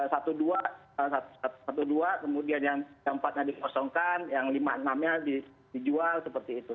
satu dua kemudian yang empatnya diposongkan yang lima enamnya dijual seperti itu